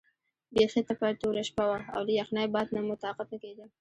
بیخي تپه توره شپه وه او له یخنۍ باد نه مو طاقت نه کېده.